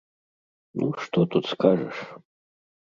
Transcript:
Ну, што тут скажаш?